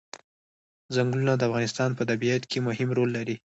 ځنګلونه د افغانستان په طبیعت کې مهم رول لري.